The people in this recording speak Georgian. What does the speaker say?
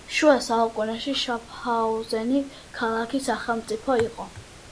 შუა საუკუნეებში შაფჰაუზენი ქალაქი-სახელმწიფო იყო.